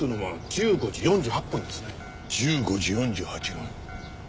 １５時４８分。